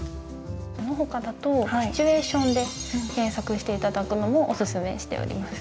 そのほかだとシチュエーションで検索していただくのもおすすめしております。